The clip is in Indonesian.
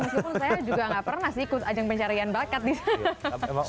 meskipun saya juga enggak pernah ikut ajang pencarian bakat disana